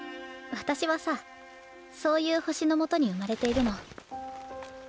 私はさそういう星のもとに生まれているの。